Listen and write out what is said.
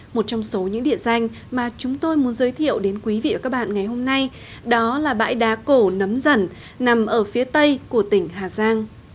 một trong số những địa danh mà chúng tôi muốn giới thiệu đến quý vị và các bạn ngày hôm nay đó là bãi đá cổ nấm dần nằm ở phía tây của tỉnh hà giang